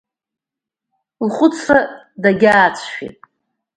Лхәыцра дагьаацәшәеит.